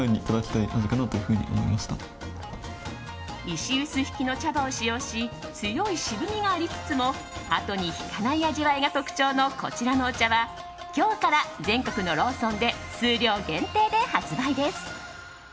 石臼びきの茶葉を使用し強い渋みがありつつもあとに引かない味わいが特徴のこちらのお茶は今日から全国のローソンで数量限定で発売です。